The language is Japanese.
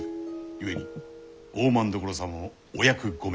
故に大政所様もお役御免。